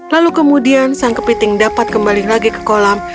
lalu kemudian sang kepiting dapat kembali lagi ke kolam